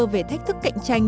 về thách thức cạnh tranh